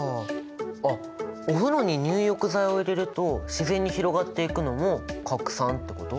あっお風呂に入浴剤を入れると自然に広がっていくのも拡散ってこと！？